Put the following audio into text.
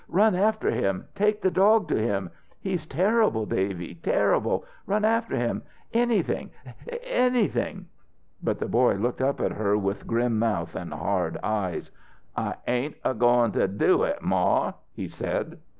run after him. Take the dog to him. He's terrible, Davy, terrible! Run after him anything anything!" But the boy looked up at her with grim mouth and hard eyes. "I ain't a goin' to do it, Ma!" he said.